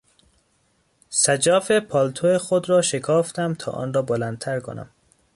سجاف پالتو خود را شکافتم تا آن را بلندتر کنم.